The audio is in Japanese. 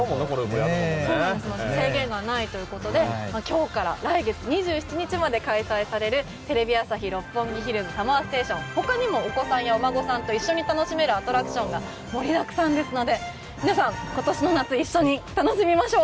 制限がないということで今日から来月２７日まで開催される「テレビ朝日・六本木ヒルズ夏祭りＳＵＭＭＥＲＳＴＡＴＩＯＮ」他にもお子さんやお孫さんと一緒に楽しめるアトラクションが盛りだくさんですので皆さん、今年の夏一緒に楽しみましょう。